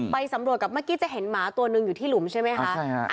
ไปสำรวจกับเมื่อกี้จะเห็นหมาตัวหนึ่งอยู่ที่หลุมใช่ไหมคะ